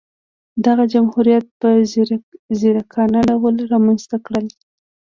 دغه جمهوریت په ځیرکانه ډول رامنځته کړل.